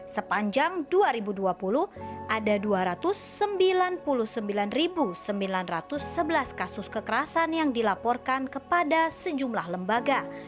sepanjang dua ribu dua puluh ada dua ratus sembilan puluh sembilan sembilan ratus sebelas kasus kekerasan yang dilaporkan kepada sejumlah lembaga